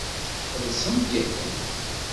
Txellṣemt yakan.